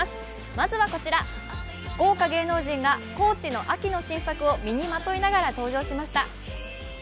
まずはこちら、豪華芸能人がＣＯＡＣＨの秋の新作を身にまといながら登場しました。